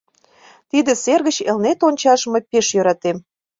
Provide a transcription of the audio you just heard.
Тиде сер гыч Элнет ончаш мый пеш йӧратем.